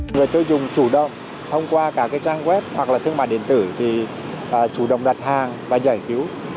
người tôi dùng chủ động thông qua cả cái trang web hoặc là thương mại điện tử thì chủ động đặt hàng và giải cứu